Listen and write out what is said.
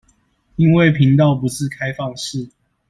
因為頻道不是開放式